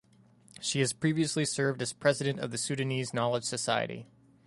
She has previously served as President of the Sudanese Knowledge Society.